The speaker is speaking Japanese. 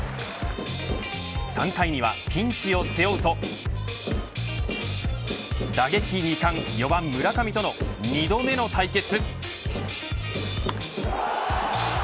３回にはピンチを背負うと打撃２冠、４番村上との２度目の対決。